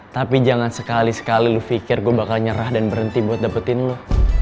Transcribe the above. tapi jangan sekali sekali lu pikir gue bakal nyerah dan berhenti buat dapetin lo